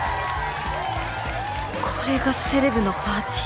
これがセレブのパーティー！？